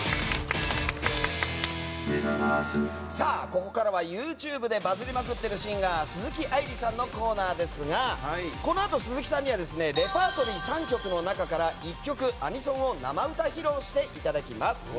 ここからはＹｏｕＴｕｂｅでバズりまくっているシンガー鈴木愛理さんのコーナーですがこのあと鈴木さんにはレパートリー３曲の中から１曲、アニソンを生歌披露していただきます。